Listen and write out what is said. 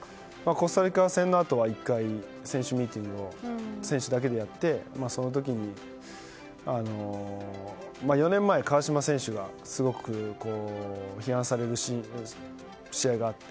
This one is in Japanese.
コスタリカ戦のあとは１回、選手ミーティングを選手だけでやって、４年前川島選手がすごく批判される試合があって。